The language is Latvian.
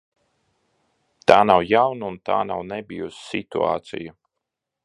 Tā nav jauna un tā nav nebijusi situācija.